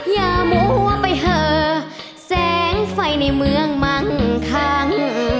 อย่ามัวไปเหอแสงไฟในเมืองมั่งคัง